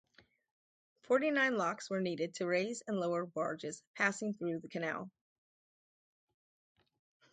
Forty-nine locks were needed to raise and lower barges passing through the canal.